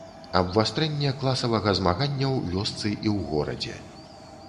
Абвастрэнне класавага змаганняў вёсцы і ў горадзе.